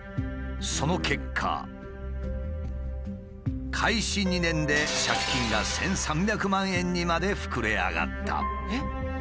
その結果開始２年で借金が１，３００万円にまで膨れ上がった。